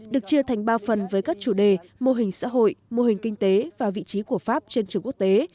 được chia thành ba phần với các chủ đề mô hình xã hội mô hình kinh tế và vị trí của pháp trên trường quốc tế